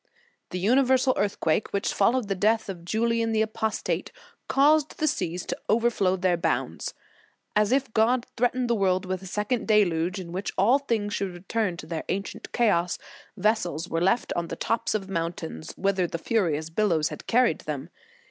"The universal earthquake which followed the death of Julian the Apostate, caused the seas to over flow their bounds. As if God threatened the world with a second deluge, in which all things should return to their ancient chaos, vessels were left on the tops of mountains, whither the furious billows had carried them.